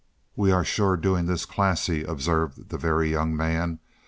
"We sure are doing this classy," observed the Very Young Man.